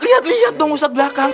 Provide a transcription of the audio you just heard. liat liat dong ustadz belakang